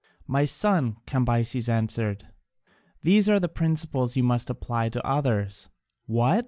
"My son," Cambyses answered, "these are the principles you must apply to others." "What!"